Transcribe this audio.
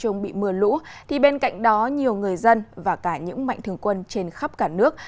không bị mưa lũ thì bên cạnh đó nhiều người dân và cả những mạnh thường quân trên khắp cả nước